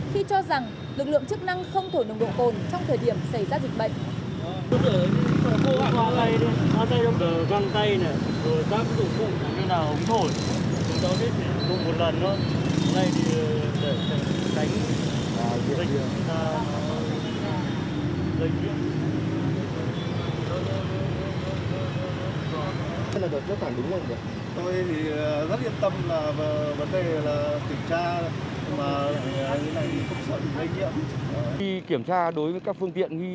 khi cho rằng lực lượng chức năng không thổi nồng độ cồn trong thời điểm xảy ra dịch bệnh